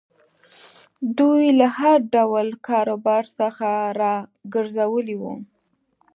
دوی له هر ډول کاروبار څخه را ګرځولي وو.